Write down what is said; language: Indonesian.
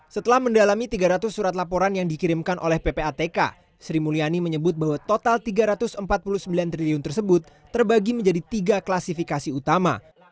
setelah mendalami tiga ratus surat laporan yang dikirimkan oleh ppatk sri mulyani menyebut bahwa total rp tiga ratus empat puluh sembilan triliun tersebut terbagi menjadi tiga klasifikasi utama